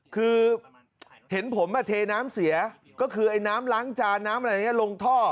คือเห็นผมเทน้ำเสียก็คือไอ้น้ำล้างจานน้ำอะไรอย่างนี้ลงท่อ